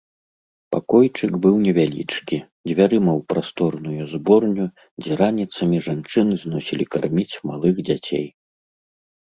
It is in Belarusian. Пакойчык быў невялічкі, дзвярыма ў прасторную зборню, дзе раніцамі жанчыны зносілі карміць малых дзяцей.